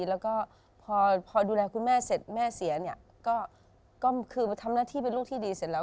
แล้วก็พอดูแลคุณแม่เสร็จแม่เสียเนี่ยก็คือทำหน้าที่เป็นลูกที่ดีเสร็จแล้ว